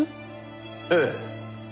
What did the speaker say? ええ。